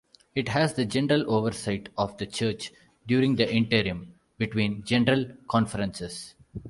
It has the general oversight of the Church during the interim between General Conferences.